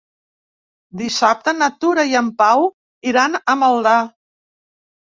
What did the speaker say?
Dissabte na Tura i en Pau iran a Maldà.